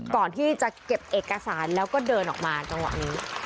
ก่อนที่จะเก็บเอกสารแล้วก็เดินออกมาจังหวะนี้